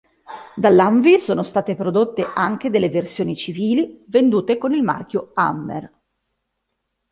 Dell'Humvee sono state prodotte anche delle versione civili, vendute con il marchio Hummer.